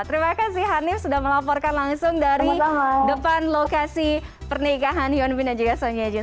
terima kasih hanif sudah melaporkan langsung dari depan lokasi pernikahan hyun bin dan juga songe jin